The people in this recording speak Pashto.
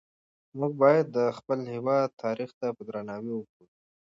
موږ باید د خپل هېواد تاریخ ته په درناوي وګورو.